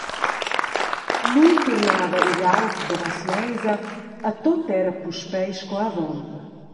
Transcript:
Lu turnava igl aug davos meisa e tut era puspei sco avon.